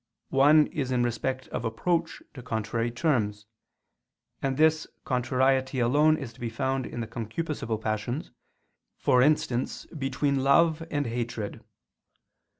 One is in respect of approach to contrary terms: and this contrariety alone is to be found in the concupiscible passions, for instance between love and hatred.